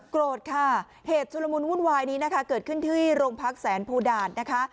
โกรธค่ะเหตุชุลมุนวุ่นวายนี้นะคะเกิดขึ้นที่โรงพักแสนภูดาตนะคะ